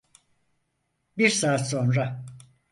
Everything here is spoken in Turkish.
Bir saat sonra.